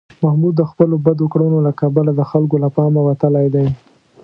محمود د خپلو بدو کړنو له کبله د خلکو له پامه وتلی دی.